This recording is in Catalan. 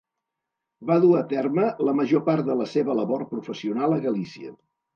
Va dur a terme la major part de la seva labor professional a Galícia.